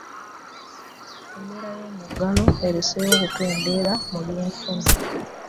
embeera y'omugalo ereseewo okukendera mu benfuna